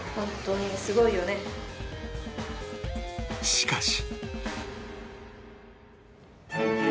しかし